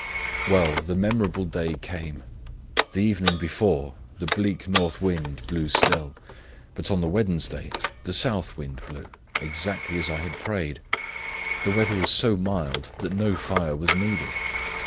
Well, the memorable day came. The evening before, the bleak north wind blew still: but, on the Wednesday, the south wind blew: exactly as I had prayed. The weather was so mild that no fire was needed.